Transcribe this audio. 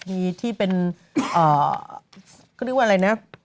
มีที่เป็นก็นึกว่าอะไรนะ